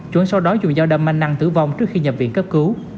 chuẩn sau đó dùng dao đâm anh năng tử vong trước khi nhập viện cấp cứu